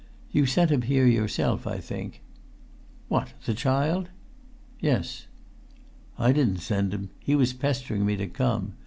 "You sent him here yourself, I think?" "What, the child?" "Yes." "I didn't send him. He was pestering me to come.